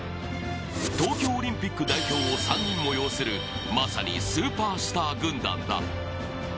東京オリンピック代表を３人も擁するまさにスーパースター軍団だ。